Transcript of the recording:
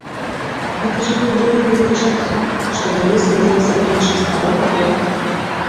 Гэта жывыя дакументы часу, што данеслі да нас аблічча старога горада.